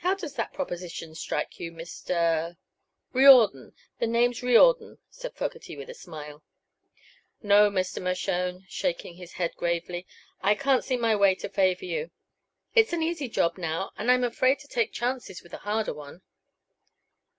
How does that proposition strike you, Mr. " "Riordan. Me name's Riordan," said Fogerty, with a smile. "No, Mr. Mershone," shaking his head gravely, "I can't see my way to favor you. It's an easy job now, and I'm afraid to take chances with a harder one."